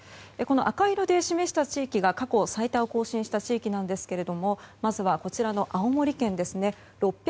赤い色で示した地域が過去最多を更新した地域なんですけどまずは青森県ですね。